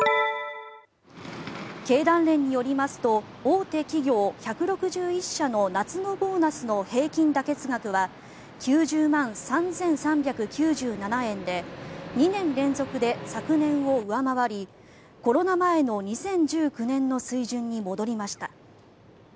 経団連によりますと大手企業１６１社の夏のボーナスの平均妥結額は９０万３３９７円で２年連続で昨年を上回りコロナ前の２０１９年の水準に戻りました。